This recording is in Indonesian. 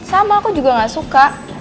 sama aku juga gak suka